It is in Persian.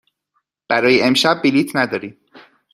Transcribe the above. برای امشب بلیط نداریم.